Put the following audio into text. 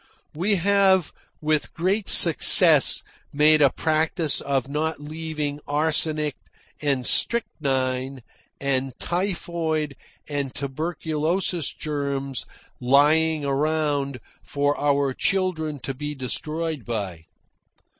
We have with great success made a practice of not leaving arsenic and strychnine, and typhoid and tuberculosis germs lying around for our children to be destroyed by.